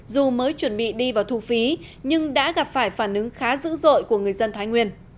dù mới chuẩn bị đi vào thu phí nhưng đã gặp phải phản ứng khá dữ dội của người dân thái nguyên